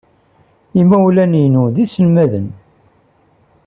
Imawlan-inu d iselmaden.